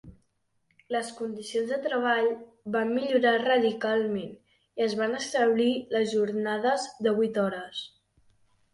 Les condicions de treball van millorar radicalment i es van establir les jornades de vuit hores.